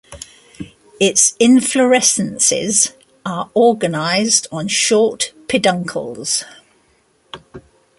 Its Inflorescences are organized on short peduncles.